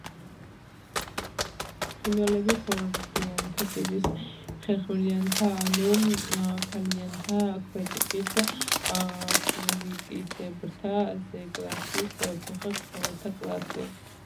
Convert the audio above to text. ფრინველები ქორდიანთა ტიპის, ხერხემლიანთა ანუ ქალიანთა ქვეტიპის, ხვლიკისებრთა ზეკლასის ორფეხა ცხოველთა კლასი.